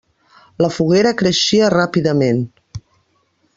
La foguera creixia ràpidament.